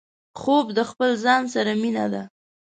خوب د خپل ځان سره مينه ده